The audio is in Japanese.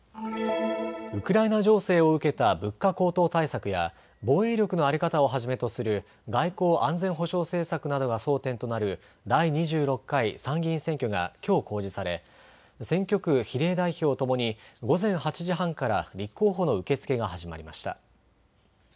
ウクライナ情勢を受けた物価高騰対策や防衛力の在り方をはじめとする外交・安全保障政策などが争点となる第２６回参議院選挙がきょう公示され選挙区・比例代表ともに午前８時半から立候補の受け付けが始まりました。